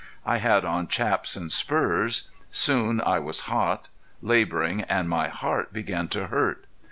I had on chaps and spurs. Soon I was hot, laboring, and my heart began to hurt.